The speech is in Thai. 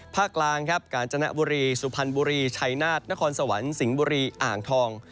กลางครับกาญจนบุรีสุพรรณบุรีชัยนาฏนครสวรรค์สิงห์บุรีอ่างทอง